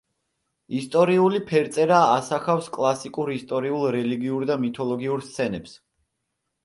ისტორიული ფერწერა ასახავს კლასიკურ ისტორიულ, რელიგიურ და მითოლოგიურ სცენებს.